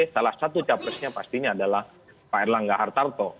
salah satu capresnya pastinya adalah pak erlangga hartarto